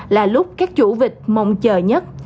là lúc các chủ vịt mong chờ nhất